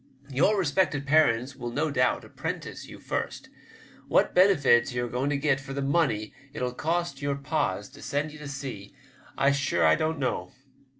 Your respected parents will no doubt apprentice you first. What benefits you're a going to get for the money it'll cost your pas to send ye to sea I'm sure I don't know.